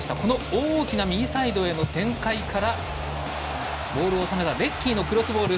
大きな右サイドへの展開からボールを収めたレッキーのクロスボール。